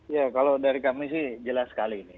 ya kalau dari kami sih jelas sekali ini